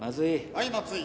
はい松井。